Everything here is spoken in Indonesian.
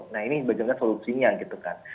nah ini bagaimana solusinya gitu kan